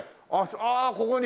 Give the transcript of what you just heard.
ああここに。